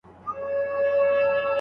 آيا لمونځونه کول ميرمن جنتي کوي؟